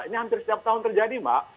ini hampir setiap tahun terjadi mbak